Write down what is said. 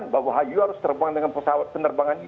bahwa hiu harus terbang dengan pesawat penerbangan ini